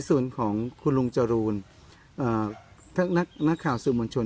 ส่วนของคุณลุงจรูนนักข่าวสื่อมวลชน